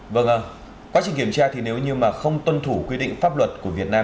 vâng quá trình kiểm tra thì nếu như mà không tuân thủ quy định pháp luật của việt nam